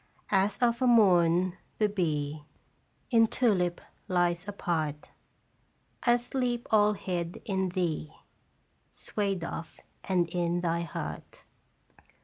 As, of a morn, the bee In tulip lies apart, I sleep all hid in thee, Swayed of and in thy heart.